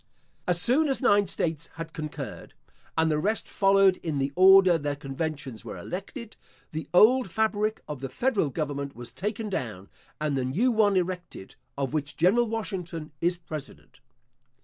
As soon as nine states had concurred (and the rest followed in the order their conventions were elected), the old fabric of the federal government was taken down, and the new one erected, of which General Washington is president.